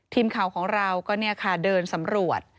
ทีมข่าวของเราก็เดินสำรวจ